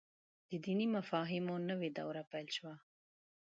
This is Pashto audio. د دیني مفاهیمو نوې دوره پيل شوه.